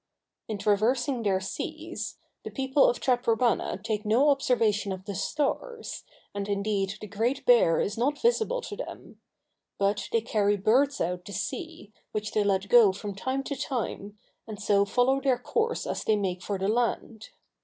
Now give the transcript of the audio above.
In traversing their seas, the people of Taprobana take no observations of the stars, and indeed the Great Bear is not visible to them; but they carry birds out to sea, which they let go from time to time, and so follow their course as they make for the land.